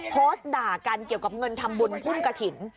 โพสต์ด่ากันเกี่ยวกับเงินทำบุญพุ่นกระถิ่น